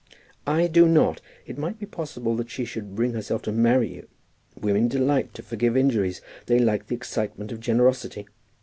"I do not. It might be possible that she should bring herself to marry you. Women delight to forgive injuries. They like the excitement of generosity.